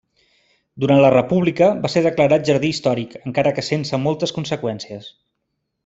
Durant la República va ser declarat Jardí Històric, encara que sense moltes conseqüències.